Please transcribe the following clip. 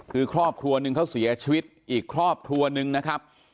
คือครอบครัวหนึ่งเขาเสียชีวิตอีกครอบครัวหนึ่งนะครับ